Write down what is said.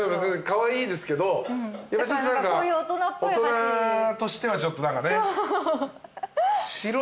カワイイですけどやっぱ大人としてはちょっと何かね。